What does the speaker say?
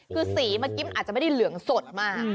คือสีเมื่อกี้มันอาจจะไม่ได้เหลืองสดมาก